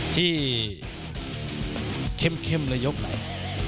ที่เข้มในยกไหน